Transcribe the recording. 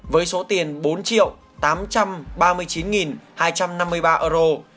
với số tiền bốn triệu tám trăm ba mươi chín hai trăm năm mươi ba euro